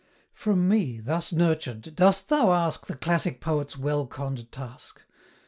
From me, thus nurtured, dost thou ask The classic poet's well conn'd task?